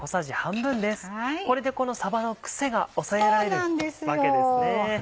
これでさばの癖が抑えられるわけですね。